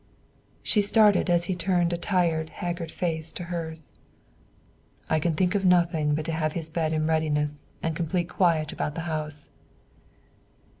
She started as he turned a tired, haggard face to hers. "I can think of nothing but to have his bed in readiness and complete quiet about the house."